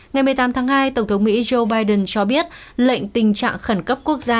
ngày một mươi tám tháng hai tổng thống mỹ joe biden cho biết lệnh tình trạng khẩn cấp quốc gia